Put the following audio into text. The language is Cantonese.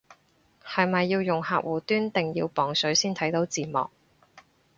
係咪要用客戶端定要磅水先睇到字幕